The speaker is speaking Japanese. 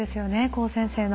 高専生の。